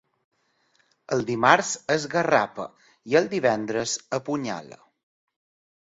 El dimarts esgarrapa i el divendres apunyala.